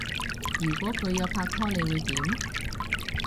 如果佢有拍拖你會點？